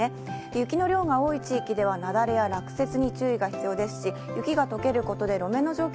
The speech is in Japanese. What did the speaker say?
雪の量が多い地域では雪崩や落雪に注意が必要ですし、雪がとけることで路面の状況